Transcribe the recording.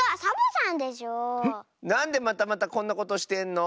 なんでまたまたこんなことしてんの？